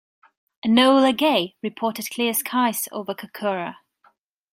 "Enola Gay" reported clear skies over Kokura.